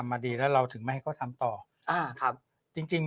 มันดีแล้วเราถึงไม่เค้าทำต่ออ้าวครับจริง